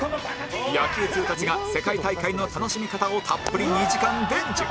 野球通たちが世界大会の楽しみ方をたっぷり２時間伝授